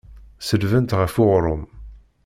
Selbent ɣef uɣrum.